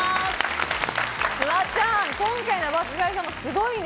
フワちゃん、今回の爆買いさんすごいね。